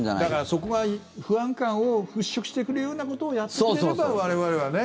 そこが不安感を払しょくしてくれるようなことをやってくれれば、我々はね。